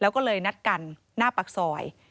แล้วก็เลยนัดกันหน้าปากซอย